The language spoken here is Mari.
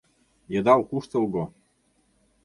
— Йыдал куштылго.